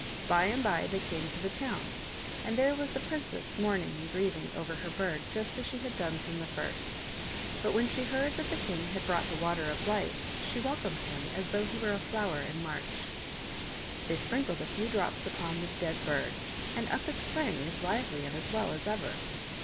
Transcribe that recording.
By and by they came to the town, and there was the princess mourning and grieving over her bird just as she had done from the first. But when she heard that the king had brought the Water of Life she welcomed him as though he were a flower in March. They sprinkled a few drops upon the dead bird, and up it sprang as lively and as well as ever.